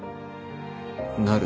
なる。